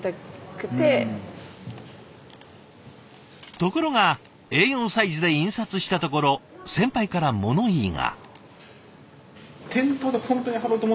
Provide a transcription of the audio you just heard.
ところがＡ４サイズで印刷したところ先輩から物言いが。